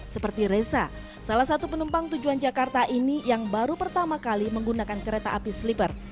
seperti reza salah satu penumpang tujuan jakarta ini yang baru pertama kali menggunakan kereta api sleeper